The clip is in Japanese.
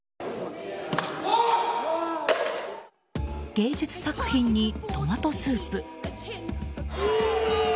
芸術作品にトマトスープ。